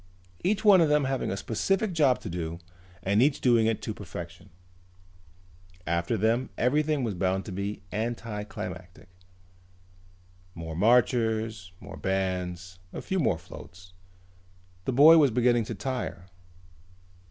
Each one of them having a specific job to do and each doing it to perfection. After them everything was bound to be anticlimactic. More marchers, more bands, a few more floats. The boy was beginning to tire.